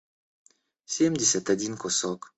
семьдесят один кусок